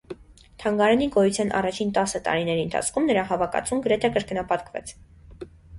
Թանգարանի գոյության առաջին տասը տարիների ընթացքում նրա հավաքածուն գրեթե կրկնապատկվեց։